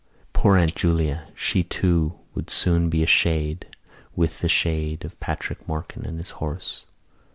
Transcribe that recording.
Poor Aunt Julia! She, too, would soon be a shade with the shade of Patrick Morkan and his horse.